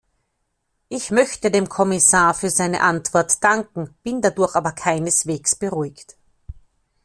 Ich möchte dem Kommissar für seine Antwort danken, bin dadurch aber keineswegs beruhigt.